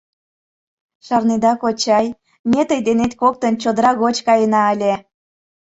— Шарнеда, кочай, ме тый денет коктын чодыра гоч каена ыле.